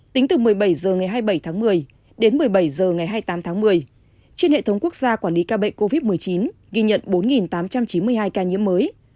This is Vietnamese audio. tính từ một mươi bảy h ngày hai mươi bảy tháng một mươi đến một mươi bảy h ngày hai mươi tám tháng một mươi trên hệ thống quốc gia quản lý ca bệnh covid một mươi chín ghi nhận bốn tám trăm chín mươi hai ca nhiễm mới